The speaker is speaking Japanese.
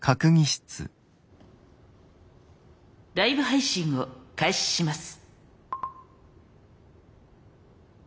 ライブ配信を開始します。